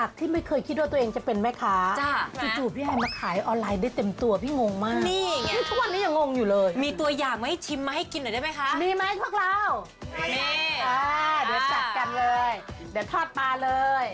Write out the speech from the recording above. เดี๋ยวจัดกันเลยเดี๋ยวทอดปลาเลย